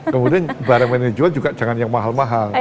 kemudian barang yang dijual juga jangan yang mahal mahal